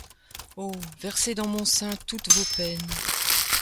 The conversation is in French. Oh ! versez dans mon sein toutes vos peines !